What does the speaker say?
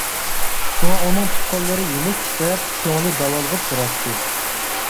شۇڭا ئۇنىڭ پۇت-قوللىرى يېنىك تىترەپ، كۆڭلى داۋالغۇپ تۇراتتى.